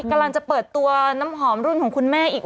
กำลังจะเปิดตัวน้ำหอมรุ่นของคุณแม่อีก